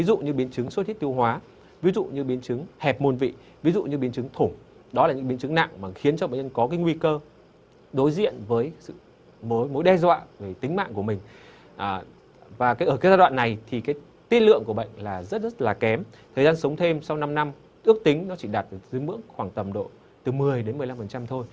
ước tính nó chỉ đạt được dưới mưỡng khoảng tầm độ từ một mươi đến một mươi năm thôi